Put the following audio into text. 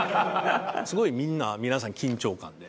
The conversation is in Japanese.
すごいみんな皆さん緊張感で。